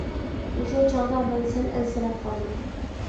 مۇشۇ چاغدا مەن سەل ئەنسىرەپ قالدىم.